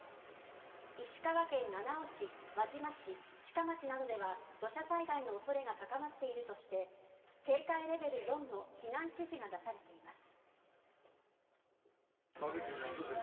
石川県七尾市、輪島市志賀町などでは土砂災害の恐れが高まっているとして警戒レベル４の避難指示が出されています。